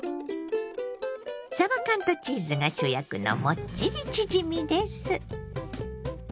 さば缶とチーズが主役のもっちりチヂミです。